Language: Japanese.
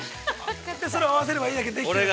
◆で、それを合わせればいいだけにできているんだ。